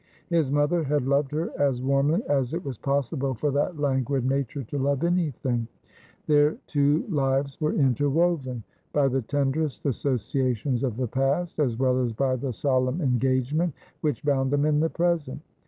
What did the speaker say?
His mother had loved her as warmly as it was possible for that languid nature to love anything. Their 314 Asphodel. two lives were interwoven by the tenderesfc associations of the past as well as by the solemn engagement which bound them in the present.